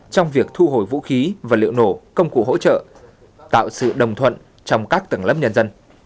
trong việc thu hồi vũ khí và liệu nổ công cụ hỗ trợ tạo sự đồng thuận trong các tầng lớp nhân dân